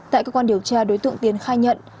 tại cơ quan điều tra đối tượng tiến khai nhận